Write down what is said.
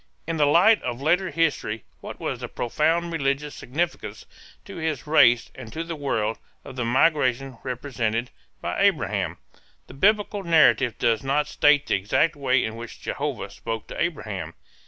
In the light of later history what was the profound religious significance to his race and to the world, of the migration represented by Abraham? The Biblical narrative does not state the exact way in which Jehovah spoke to Abraham.